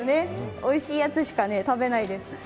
おいしいやつしか食べないです。